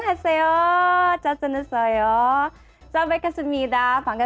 halo selamat datang